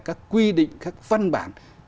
các quy định các văn bản